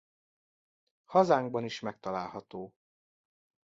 Hazánkban is megtalálható.